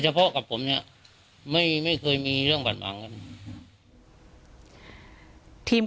เฉพาะกับผมเนี้ยไม่ไม่เคยมีเรื่องผ่านหวังกันทีม